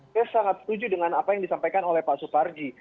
saya sangat setuju dengan apa yang disampaikan oleh pak suparji